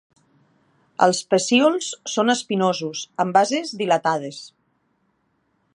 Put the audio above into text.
Els pecíols són espinosos, amb bases dilatades.